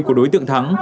của đối tượng thắng